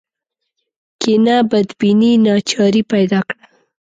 کینه بدبیني ناچاري پیدا کړه